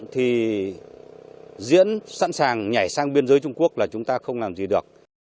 thì diễn sẵn sàng nhảy sang biên giới trung quốc là chúng ta không làm gì được